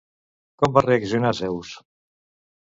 Com va reaccionar Zeus?